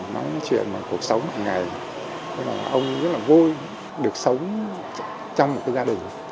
nói những chuyện là cuộc sống ngày ngày ông rất là vui được sống trong một gia đình